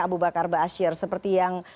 abu bakar baasir seperti yang